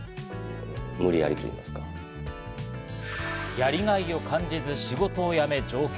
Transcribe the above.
やりがいを感じず、仕事を辞め、上京。